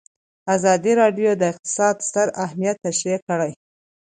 ازادي راډیو د اقتصاد ستر اهميت تشریح کړی.